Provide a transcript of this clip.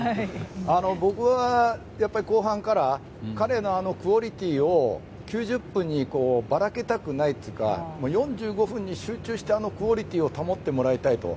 僕は、やっぱり後半から彼のあのクオリティーを９０分にばらけたくないというか４５分に集中してあのクオリティーを保ってもらいたいと。